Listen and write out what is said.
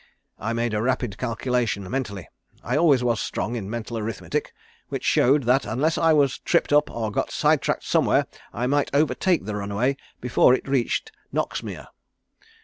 I made a rapid calculation mentally I always was strong in mental arithmetic, which showed that unless I was tripped up or got side tracked somewhere I might overtake the runaway before it reached Noxmere.